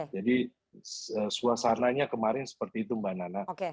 jadi suasananya kemarin seperti itu mbak nana